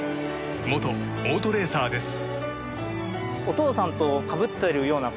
元オートレーサーです。